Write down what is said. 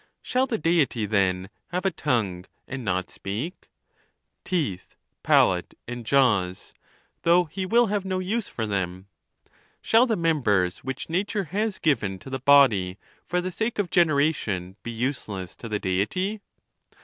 Shall the Deity, then, have a tongue, and not speak — teeth, palate, and jaws, though he will have no use for them ? Shall the members which nature has given to the body for the sake of generation be useless to the Deity